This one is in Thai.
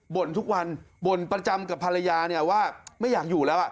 ทุกวันบ่นประจำกับภรรยาเนี่ยว่าไม่อยากอยู่แล้ว